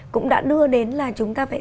cũng đã đưa đến là chúng ta phải